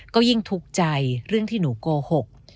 ก็ยิ่งทุกข์ใจเรื่องที่หนูโกหก